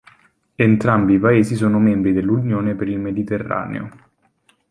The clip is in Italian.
Entrambi i paesi sono membri dell'Unione per il Mediterraneo.